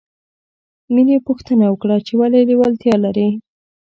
مینې پوښتنه وکړه چې ولې لېوالتیا لرې